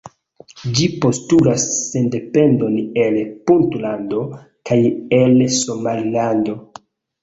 Ĝi postulas sendependon el Puntlando kaj el Somalilando.